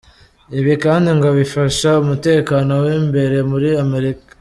Ibi kandi ngo bifasha umutekano w’imbere muri Amerika.